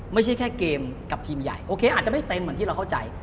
มีเกมกับทีมใหญ่อาจจะไม่เต็มเหมือนที่เราเข้าใจ